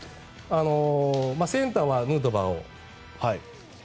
センターはヌートバー選手を。